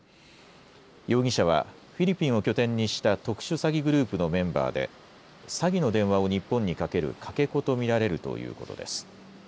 容疑者は、フィリピンを拠点にした特殊詐欺グループのメンバーで、詐欺の電話を日本にかけるかけ子と見られるということです。